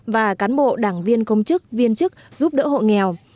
và cán bộ đảng viên công chức viên chức giúp đỡ hộ nghèo